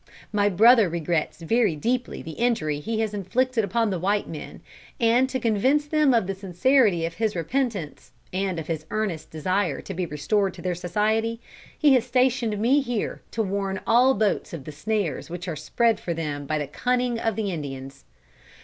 My brother regrets very deeply the injury he has inflicted upon the white men, and to convince them of the sincerity of his repentance, and of his earnest desire to be restored to their society, he has stationed me here to warn all boats of the snares which are spread for them by the cunning of the Indians.